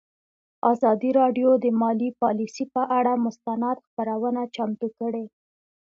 ازادي راډیو د مالي پالیسي پر اړه مستند خپرونه چمتو کړې.